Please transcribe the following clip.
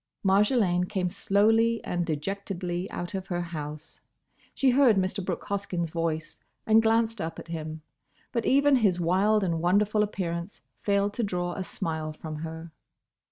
Marjolaine came slowly and dejectedly out of her house. She heard Mr. Brooke Hoskyn's voice and glanced up at him, but even his wild and wonderful appearance failed to draw a smile from her.